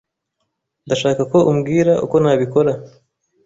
Ndashaka ko umbwira uko nabikora.